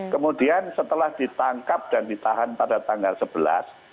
kemudian setelah ditangkap dan ditahan pada tanggal sebelas